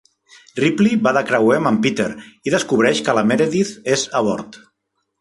Ripley va de creuer amb en Peter i descobreix que la Meredith és a bord.